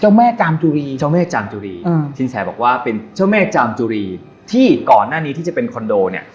แม่จามจุรีเจ้าแม่จามจุรีอืมสินแสบอกว่าเป็นเจ้าแม่จามจุรีที่ก่อนหน้านี้ที่จะเป็นคอนโดเนี่ย